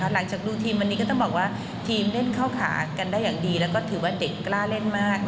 หลังจากดูทีมวันนี้ก็ต้องบอกว่าทีมเล่นเข้าขากันได้อย่างดีแล้วก็ถือว่าเด็กกล้าเล่นมาก